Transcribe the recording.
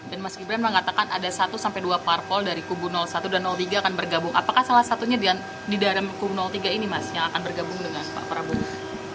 dan mas gibran mengatakan ada satu dua parpol dari kubu satu dan tiga akan bergabung apakah salah satunya di dalam kubu tiga ini mas yang akan bergabung dengan pak prabowo